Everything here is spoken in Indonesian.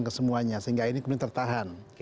ke semuanya sehingga ini kemudian tertahan